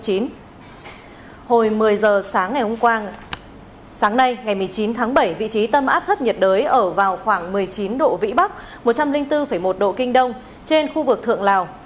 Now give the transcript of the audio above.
hồi một mươi giờ sáng ngày hôm qua sáng nay ngày một mươi chín tháng bảy vị trí tâm áp thấp nhiệt đới ở vào khoảng một mươi chín độ vĩ bắc một trăm linh bốn một độ kinh đông trên khu vực thượng lào